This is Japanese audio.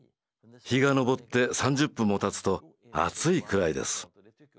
日が昇って３０分もたつと暑いくらいです。